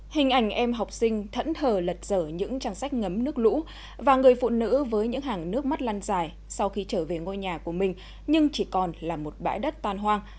hình ảnh em học sinh thẫn thờ lật dở những trang sách ngấm nước lũ và người phụ nữ với những hàng nước mắt lan dài sau khi trở về ngôi nhà của mình nhưng chỉ còn là một bãi đất tan hoang